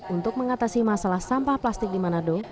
untuk mengatasi masalah sampah plastik di manado